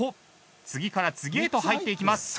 次から次へと入っていきます。